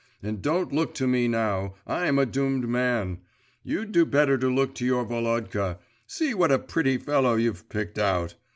And don't look to me now; I'm a doomed man! You'd do better to look to your Volodka; see what a pretty fellow you've picked out!